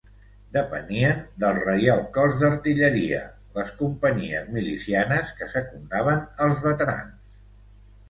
Depenien del Reial Cos d'Artilleria, les companyies milicianes que secundaven als veterans.